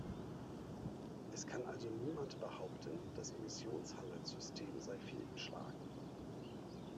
Es kann also niemand behaupten, das Emissionshandelssystem sei fehlgeschlagen.